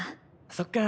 そっか。